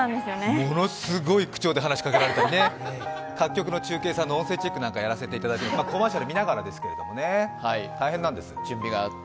ものすごい口調で話しかけられたり、各局の音声さんの音声チェックをやらせていただいたりコマーシャル見ながらですけど、大変なんです。